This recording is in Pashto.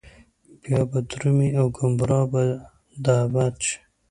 بيا به درومي او ګمراه به د ابد شي